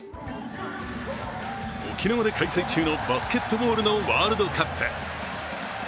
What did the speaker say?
沖縄で開催中のバスケットボールのワールドカップ。